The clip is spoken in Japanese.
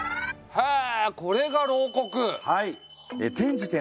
へえ。